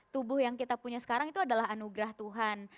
tubuh yang kita punya sekarang itu adalah anugerah tuhan